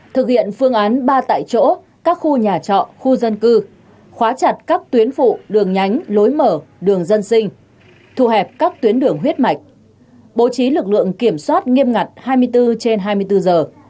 thực hiện phương án ba tại chỗ các khu nhà trọ khu dân cư khóa chặt các tuyến phụ đường nhánh lối mở đường dân sinh thu hẹp các tuyến đường huyết mạch bố trí lực lượng kiểm soát nghiêm ngặt hai mươi bốn trên hai mươi bốn giờ